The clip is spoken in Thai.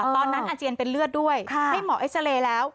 อาเจียนเป็นเลือดด้วยให้หมอเอ็กซาเรย์แล้ว